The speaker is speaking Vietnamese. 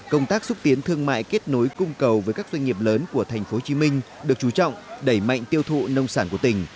công tác xúc tiến thương mại kết nối cung cầu với các doanh nghiệp lớn của tp hcm được chú trọng đẩy mạnh tiêu thụ nông sản của tỉnh